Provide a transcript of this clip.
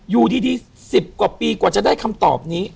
อยู่ดี๑๐กว่าปีกว่าจะได้คำตอบนี้